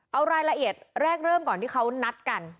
เอารายละเอียดแรกเริ่มก่อนที่เขานัดกัน